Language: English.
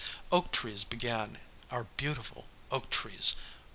Oak trees began, our beautiful oak trees!